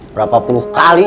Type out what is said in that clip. berapa puluh kali